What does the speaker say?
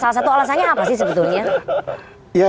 salah satu alasannya apa sih sebetulnya